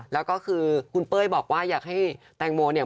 แล้วก็คือคุณเป้ยบอกว่าอยากให้แตงโมเนี่ย